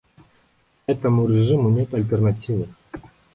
Этому режиму нет альтернативы.